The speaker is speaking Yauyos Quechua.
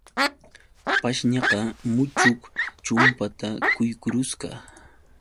Pashñaqa muchuq chumpata quykurusqa.